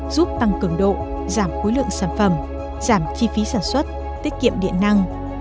giúp tăng cường độ giảm khối lượng sản phẩm giảm chi phí sản xuất tiết kiệm điện năng